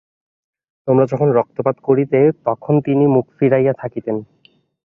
তোমরা যখন রক্তপাত করিতে তখন তিনি মুখ ফিরাইয়া থাকিতেন।